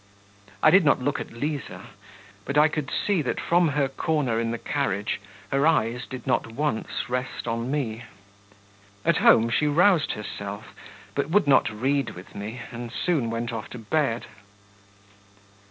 I did not look at Liza, but I could see that from her corner in the carriage her eyes did not once rest on me. At home she roused herself, but would not read with me, and soon went off to bed.